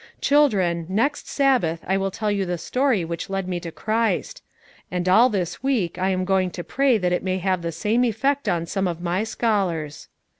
"Children, next Sabbath I will tell you the story which led me to Christ; and all this week I am going to pray that it may have the same effect on some of my scholars.